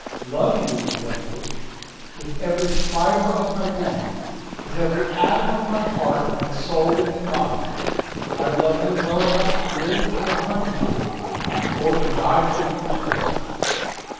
"Love you?" I echoed. "With every fibre of my being! With every atom of my heart and soul and body! I love you well enough to live to a hundred for you, or to die for you to night!"